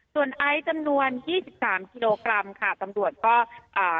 ส่วนไอซ์จำนวนยี่สิบสามกิโลกรัมค่ะตำรวจก็อ่า